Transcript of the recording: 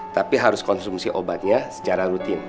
tapi harus konsumsi obatnya secara rutin